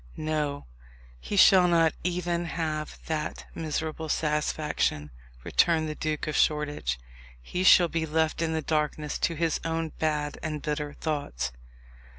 "No; he shall not even have that miserable satisfaction," returned the Duke of Shoreditch. "He shall be left in the darkness to his own bad and bitter thoughts."